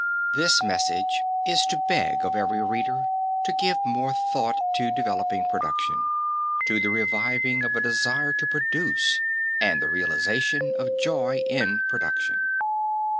This message is to beg of every reader to give more thought to developing production, to the reviving of a desire to produce and the realization of joy in production.